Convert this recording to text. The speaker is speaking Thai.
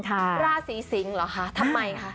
ชาวราศีสิงเหรอคะทำไมคะ